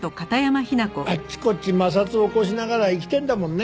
あっちこっち摩擦を起こしながら生きてるんだもんね。